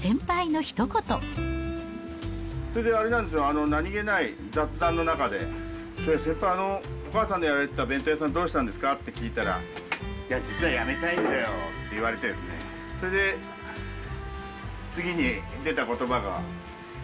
それであれなんですよ、何気ない雑談の中で、先輩、お母さんのやられてた弁当屋、どうしたんですかって聞いたら、いや、実はやめたいんだよって言われてですね、それで、次に出たことばが、え？